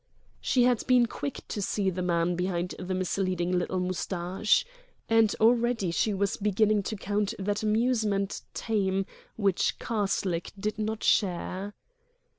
She had been quick to see the man behind the misleading little moustache. And already she was beginning to count that amusement tame which Karslake did not share.